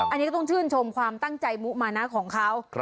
อันนี้ก็ต้องชื่นชมความตั้งใจมุมานะของเขา